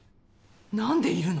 何でいるの？